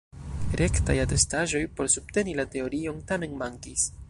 Rektaj atestaĵoj por subteni la teorion tamen mankis.